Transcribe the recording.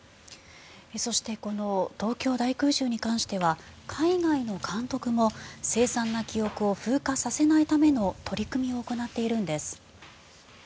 そしてこの東京大空襲に関しては海外の監督も、せい惨な記憶を風化させないための取り組みを行っているんです。